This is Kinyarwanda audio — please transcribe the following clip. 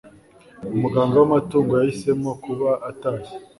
Umuganga w'amatungo yahisemo kuba atashye